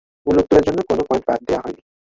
ভুল উত্তরের জন্য কোনো পয়েন্ট বাদ দেওয়া হয়নি।